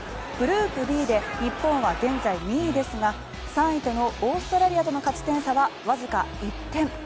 グループＢで日本は現在２位ですが３位のオーストラリアとの勝ち点差はわずか１点。